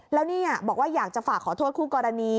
แล้วนี่บอกว่าอยากจะฝากขอโทษคู่กรณี